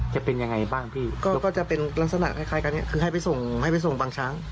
จะเป็นยังไงบ้างพี่ก็จะเป็นลักษณะคล้ายกันเนี่ยคือให้ไปส่งให้ไปส่งบางช้าง